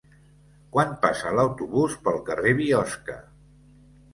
Quan passa l'autobús pel carrer Biosca?